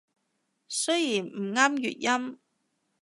雖然唔啱粵音